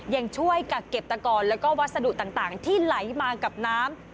ยังช่วยกักเก็บตะกอนแล้วก็วัสดุต่างที่ไหลมากับน้ำ